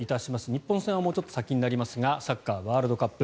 日本戦はもうちょっと先になりますがサッカーワールドカップ。